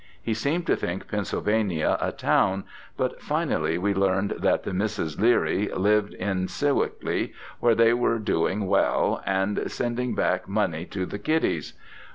He seemed to think Pennsylvania a town, but finally we learned that the Misses Leerie lived in Sewickley where they were doing well, and sending back money to the "kiddies."